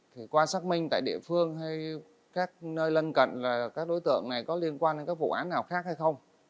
thì qua xác minh tại địa phương hay các nơi lân cận là các đối tượng này có liên quan đến các vụ án nào khác hay không